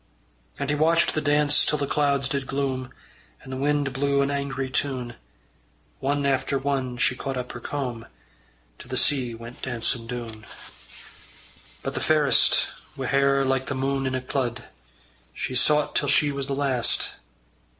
And he watched the dance till the clouds did gloom, And the wind blew an angry tune: One after one she caught up her comb, To the sea went dancin' doon. But the fairest, wi' hair like the mune in a clud, She sought till she was the last.